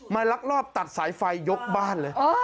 มาลักลอบตัดสายไฟย่งบ้าน